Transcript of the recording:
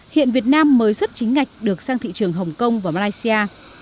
hiện việt nam mới xuất chính ngạch được sang thị trường hồng kông và malaysia